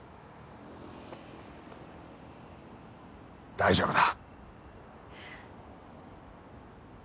大丈夫だ。